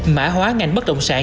mã hóa ngành bất động sản